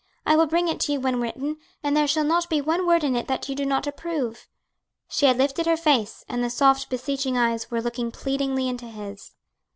I will bring it to you when written, and there shall not be one word in it that you do not approve." She had lifted her face, and the soft, beseeching eyes were looking pleadingly into his.